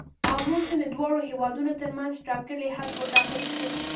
آمو سیند د دواړو هیوادونو تر منځ ټاکلی حد وټاکل شو.